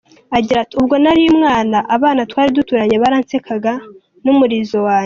agira ati”ubwo nari umwana abana twari duturanye baransekaga n’umurizo wange.